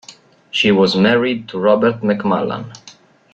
She was married to Robert McMullan.